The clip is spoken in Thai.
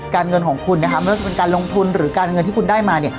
เงินของคุณนะคะไม่ว่าจะเป็นการลงทุนหรือการเงินที่คุณได้มาเนี่ย